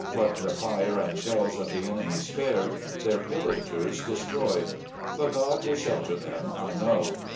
What the fire and shells of the enemy spared, their pillagers de stroyed. But God wiU shelter them, I know.